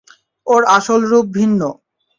ওর আসল রূপ ভিন্ন।